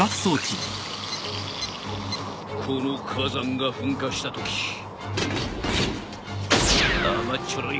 この火山が噴火したとき甘っちょろい